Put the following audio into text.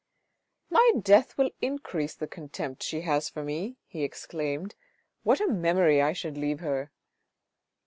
" My death will increase the contempt she has for me," he exclaimed. " What a memory I should leave her."